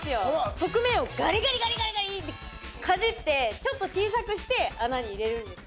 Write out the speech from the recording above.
側面をガリガリガリガリーッてかじってちょっと小さくして穴に入れるんですよ